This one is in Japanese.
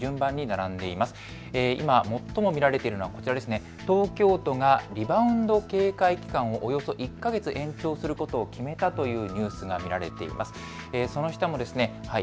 今、最も見られているのは東京都がリバウンド警戒期間、およそ１か月延長することを決めたというニュースが見られています。